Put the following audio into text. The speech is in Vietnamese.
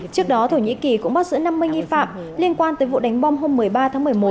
trước đó thổ nhĩ kỳ cũng bắt giữ năm mươi nghi phạm liên quan tới vụ đánh bom hôm một mươi ba tháng một mươi một